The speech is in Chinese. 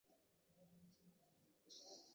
各朝间镇墓兽的大小差异也不大。